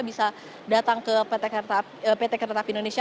bisa datang ke pt kereta api indonesia